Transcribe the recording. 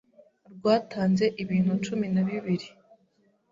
rwatanze ibintu cumi na bibiri